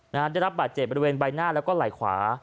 ได้รับบาดเจ็บบริเวณใบหน้าแล้วก็ไหล่ขวา